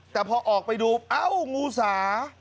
แต่พอออกไปดูเอ้างูสา